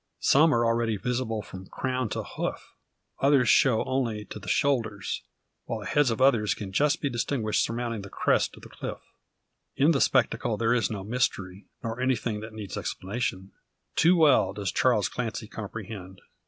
Some are already visible from crown to hoof; others show only to the shoulders; while the heads of others can just be distinguished surmounting the crest of the cliff. In the spectacle there is no mystery, nor anything that needs explanation. Too well does Charles Clancy comprehend.